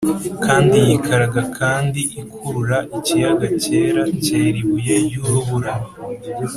kandi yikaraga kandi ikurura ikiyaga cyera cyera ibuye ry'urubura.